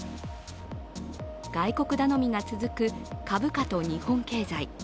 外国頼みが続く株価と日本経済。